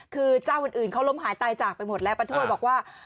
คือเจ้าอื่นเขาล้มหายตายจากไปหมดแล้วป้าถ้วยบอกว่า